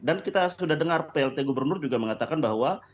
dan kita sudah dengar plt gubernur juga mengatakan bahwa